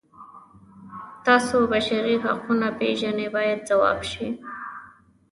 تاسو بشري حقونه پیژنئ باید ځواب شي.